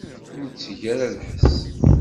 Ur tteg ara lḥess.